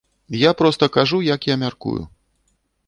Я проста кажу, як я мяркую.